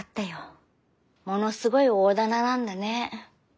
ものすごい大店なんだね。